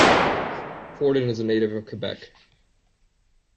Fortin is a native of Quebec.